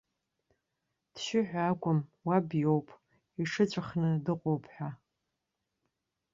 Дшьы ҳәа акәым, уаб иоуп, иҽыҵәахны дыҟоуп ҳәа.